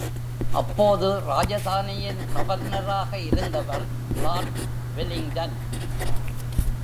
அப்போது ராஜதானியின் கவர்னராக இருந்தவர் லார்டு வெலிங்டன்.